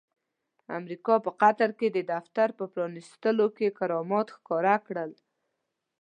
امريکا په قطر کې د دفتر په پرانستلو کې کرامات ښکاره کړل.